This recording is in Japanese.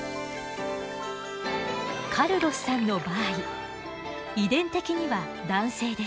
カルロスさんの場合遺伝的には男性です。